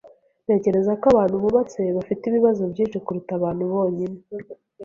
Ntekereza ko abantu bubatse bafite ibibazo byinshi kuruta abantu bonyine.